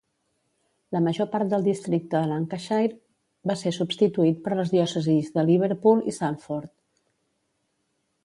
La major part del districte de Lancashire va ser substituït per les diòcesis de Liverpool i Salford.